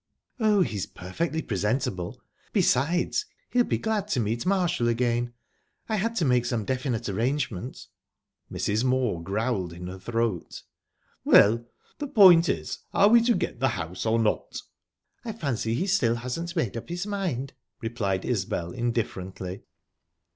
"Oh, he's perfectly presentable. Besides, he'll be glad to meet Marshall again. I had to make some definite arrangement." Mrs. Moor growled in her throat. "Well, the point is, are we to get the house, or not?" "I fancy he still hasn't made up his mind," replied Isbel indifferently.